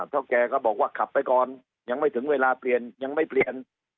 เท่าแก่ก็บอกว่าขับไปก่อนยังไม่ถึงเวลาเปลี่ยนยังไม่เปลี่ยน